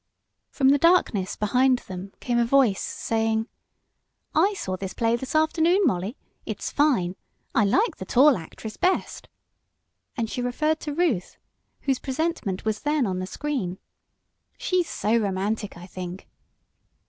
From the darkness behind them came a voice saying: "I saw this play this afternoon, Mollie. It's fine. I like the tall actress best," and she referred to Ruth, whose presentment was then on the screen. "She's so romantic, I think."